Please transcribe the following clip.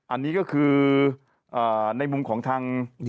อันนี้ก็คือในมุมของทาง